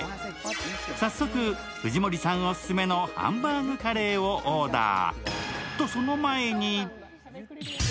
早速、藤森さんオススメのハンバーグかれーをオーダー。